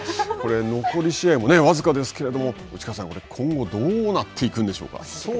残り試合も僅かですけれども、内川さん、今後どうなっていくんでしょうか。